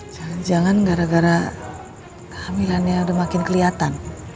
jangan jangan gara gara kehamilannya udah makin kelihatan